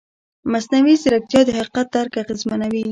مصنوعي ځیرکتیا د حقیقت درک اغېزمنوي.